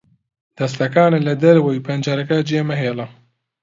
دەستەکانت لە دەرەوەی پەنجەرەکە جێمەهێڵە.